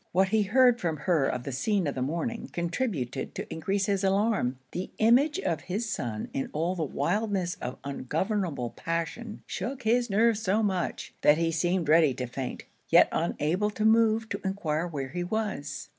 What he heard from her of the scene of the morning, contributed to encrease his alarm. The image of his son in all the wildness of ungovernable passion, shook his nerves so much, that he seemed ready to faint, yet unable to move to enquire where he was.